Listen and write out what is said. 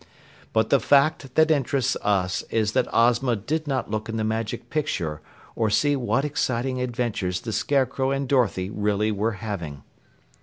But the fact that interests us is that Ozma did not look in the Magic Picture or see what exciting adventures the Scarecrow and Dorothy really were having!